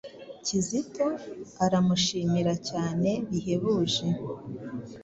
Kizito aramushimira cyane bihebuje